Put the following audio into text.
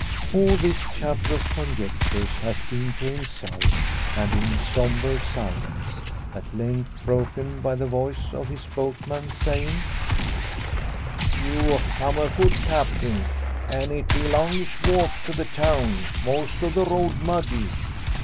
All this chapter of conjectures has been to himself, and in sombre silence; at length broken by the voice of his boatman, saying "You've come afoot, Captain; an' it be a longish walk to the town, most o' the road muddy.